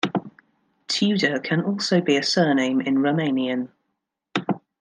"Tudor" can also be a surname in Romanian.